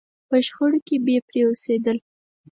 په شخړو کې بې پرې اوسېدل.